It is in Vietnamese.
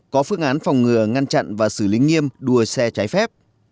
có phương án phòng ngừa ngăn chặn và xử lý nghiêm đua xe trái phép